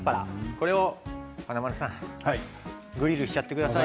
これを華丸さんグリルしちゃってください。